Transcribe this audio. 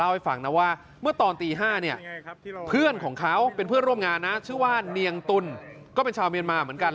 ให้ฟังนะว่าเมื่อตอนตี๕เนี่ยเพื่อนของเขาเป็นเพื่อนร่วมงานนะชื่อว่าเนียงตุลก็เป็นชาวเมียนมาเหมือนกัน